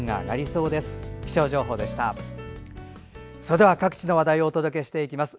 それでは各地の話題をお伝えしていきます。